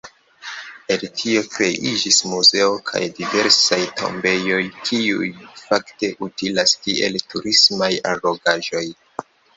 El tio kreiĝis muzeo kaj diversaj tombejoj, kiuj fakte utilas kiel turismaj allogaĵoj.